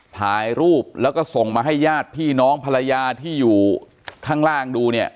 ถ่ายรูปแล้วก็ส่งมาให้ญาติพี่น้องภรรยาที่อยู่ข้างล่างดูเนี่ย